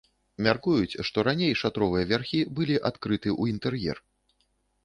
Мяркуюць, што раней шатровыя вярхі былі адкрыты ў інтэр'ер.